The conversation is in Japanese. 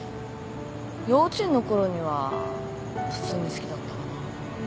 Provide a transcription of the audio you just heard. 幼稚園のころには普通に好きだったかな。